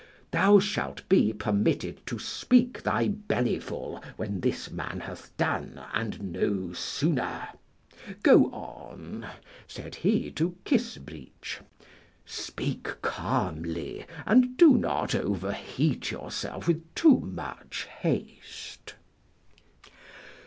Thou shalt be permitted to speak thy bellyful when this man hath done, and no sooner. Go on, said he to Kissbreech; speak calmly, and do not overheat yourself with too much haste.